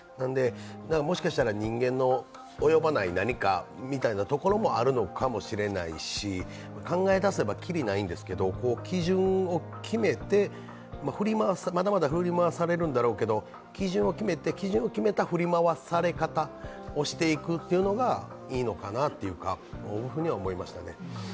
もしかしたら人間の及ばない何かみたいなのがあるのかもしれないし、考え出せばきりがないんですけど、まだまだ振り回されるんだろうけど、基準を決めて、基準を決めた振り回され方をしていくのがいいのかなというふうに思いましたね。